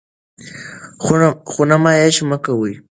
خو نمایش مه کوئ.